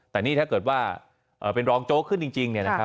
แต่นี่ถ้าเกิดว่าเป็นรองโจ๊กขึ้นจริง